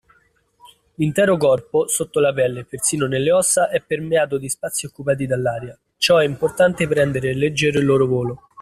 L’intero corpo, sotto la pelle e persino nelle ossa è permeato di spazi occupati dall’aria, ciò è importante per rendere leggero il loro volo.